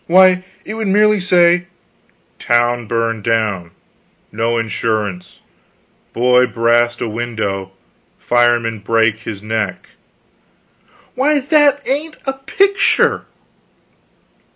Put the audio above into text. Why, it would merely say, 'Town burned down; no insurance; boy brast a window, fireman brake his neck!' Why, that ain't a picture!"